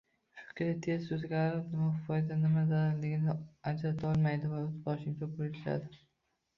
Fikri tez o`zgarib, nima foyda, nima zararligini ajratolmaydi va o`zboshimcha bo`lishadi